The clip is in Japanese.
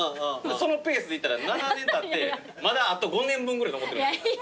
そのペースでいったら７年たってまだあと５年分ぐらい残ってる。